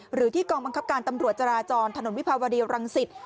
หรือที่กองบังคับการตำรวจจราจรถนนวิภาวดีรังสิต